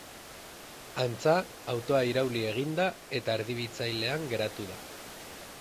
Antza, autoa irauli egin da eta erdibitzailean geratu da.